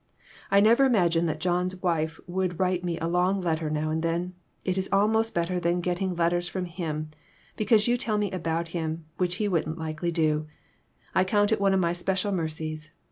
" I never imagined that John's wife would write me a long letter now and then. It is almost bet ter than getting letters from him, because you tell me about him, which he wouldn't likely do. I count it one of my special mercies.